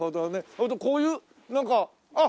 ほんでこういうなんかあっ！